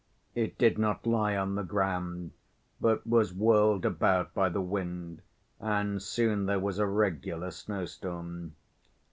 It did not lie on the ground, but was whirled about by the wind, and soon there was a regular snowstorm.